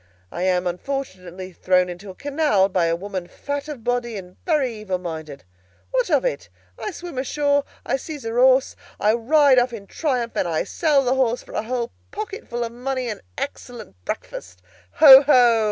I am, unfortunately, thrown into a canal by a woman fat of body and very evil minded. What of it? I swim ashore, I seize her horse, I ride off in triumph, and I sell the horse for a whole pocketful of money and an excellent breakfast! Ho, ho!